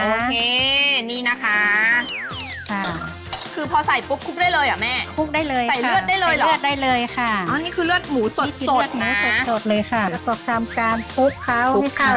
โอเคนี่นะคะคือพอใส่ปุ๊บคุกได้เลยเหรอแม่